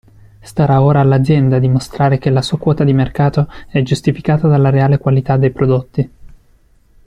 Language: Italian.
Starà ora all'azienda dimostrare che la sua quota di mercato è giustificata dalla reale qualità dei prodotti.